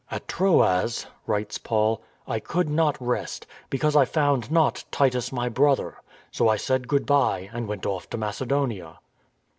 " At Troas," writes Paul, " I could not rest, be cause I found not Titus my brother; so I said * Good bye ' and went off to Macedonia."